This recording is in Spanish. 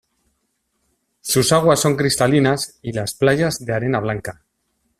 Sus aguas son cristalinas y las playas de arena blanca.